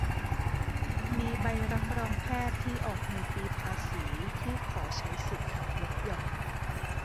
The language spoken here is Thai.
มีใบรับรองแพทย์ที่ออกในปีภาษีที่ขอใช้สิทธิ์หักลดหย่อน